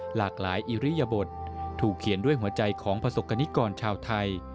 หลากหลายอิริยบทถูกเขียนด้วยหัวใจของประสบกรณิกรชาวไทย